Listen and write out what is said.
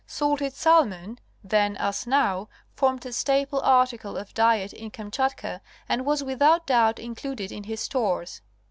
Salted salmon then as now, formed a staple article of diet in Kamchatka and was without doubt included in his stores.